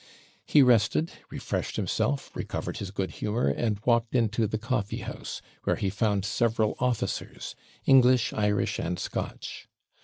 He rested, refreshed himself, recovered his good humour, and walked into the coffee house, where he found several officers English, Irish, and Scotch.